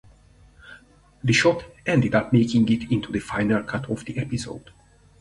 The shot ended up making it into the final cut of the episode.